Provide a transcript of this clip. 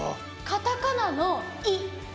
カタカナの「イ」。